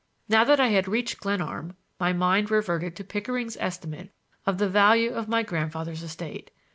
Now that I had reached Glenarm, my mind reverted to Pickering's estimate of the value of my grandfather's estate.